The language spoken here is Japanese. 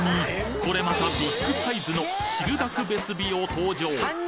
これまたビッグサイズの汁だくベスビオ登場！